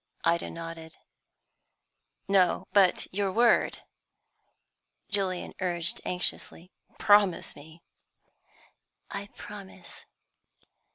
Ida nodded. "No; but your word," Julian urged anxiously. "Promise me." "I promise."